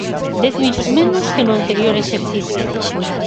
Dez millóns menos que no anterior exercicio.